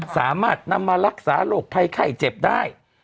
สามารถนำมารักษาโรคภัยไข้เจ็บได้